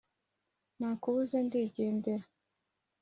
nakubuze ndi gendera